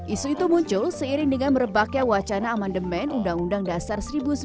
isu itu muncul seiring dengan merebaknya wacana amandemen undang undang dasar seribu sembilan ratus empat puluh lima